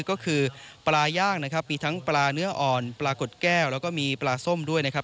ก็คือปลาย่างนะครับมีทั้งปลาเนื้ออ่อนปลากดแก้วแล้วก็มีปลาส้มด้วยนะครับ